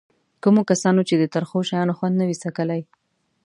کومو کسانو چې د ترخو شیانو خوند نه وي څکلی.